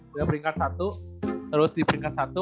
dia peringkat satu terus di peringkat satu